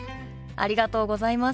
ありがとうございます。